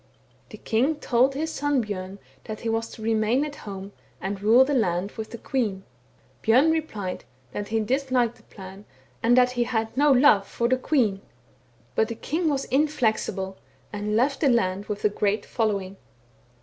The king told his son Bjorn that he was to remain at home, and rule the land with the queen; Bjorn replied that he disliked the plan, and that he had no love for the queen ; but the king was inflexible, and left the land with a great following.